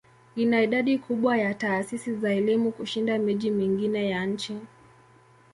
Ina idadi kubwa ya taasisi za elimu kushinda miji mingine ya nchi.